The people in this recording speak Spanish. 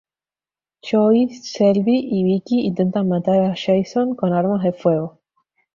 Joey, Shelby y Vicki intentan matar a Jason con armas de fuego.